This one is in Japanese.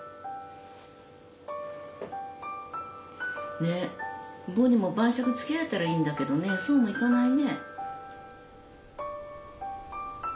ねっボニーも晩酌つきあえたらいいんだけどねそうもいかないね。